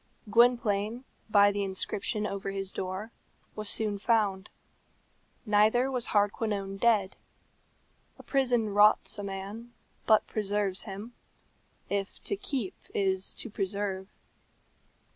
Gwynplaine, by the inscription over his door, was soon found. Neither was Hardquanonne dead. A prison rots a man, but preserves him if to keep is to preserve.